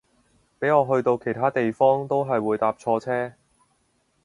俾我去到其他地方都係會搭錯車